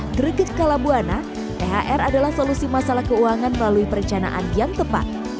greget kalabuana thr adalah solusi masalah keuangan melalui perencanaan yang tepat